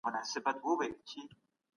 معلومات په چټکۍ خپرېږي.